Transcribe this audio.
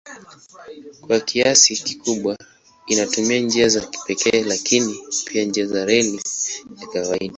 Kwa kiasi kikubwa inatumia njia za pekee lakini pia njia za reli ya kawaida.